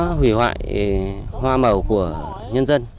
nó hủy hoại hoa màu của nhân dân